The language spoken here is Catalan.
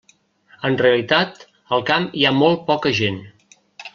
En realitat, al camp hi ha molt poca gent.